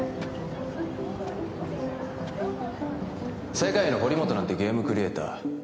世界の堀本なんてゲームクリエイター